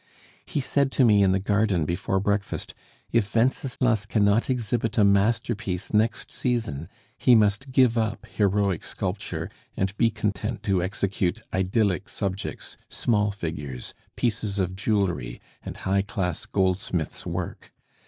He said to me in the garden before breakfast, 'If Wenceslas cannot exhibit a masterpiece next season, he must give up heroic sculpture and be content to execute idyllic subjects, small figures, pieces of jewelry, and high class goldsmiths' work!